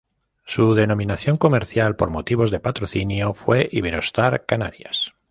Su denominación comercial, por motivos de patrocinio, fue Iberostar Canarias.